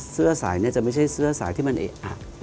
เสื้อสายนี้จะไม่ใช่เสื้อสายที่มันเอะอะ